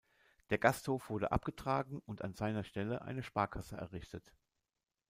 Der Gasthof wurde abgetragen und an seiner Stelle eine Sparkasse errichtet.